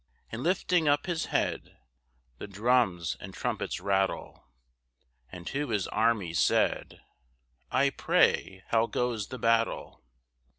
And lifting up his head (The drums and trumpets rattle), And to his army said, "I pray how goes the battle?"